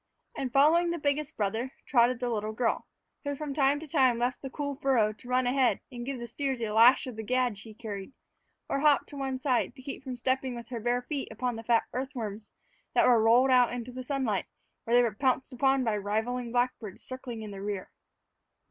And, following the biggest brother, trotted the little girl, who from time to time left the cool furrow to run ahead and give the steers a lash of the gad she carried, or hopped to one side to keep from stepping with her bare feet upon the fat earthworms that were rolled out into the sunlight, where they were pounced upon by rivaling blackbirds circling in the rear.